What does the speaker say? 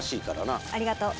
ありがとう。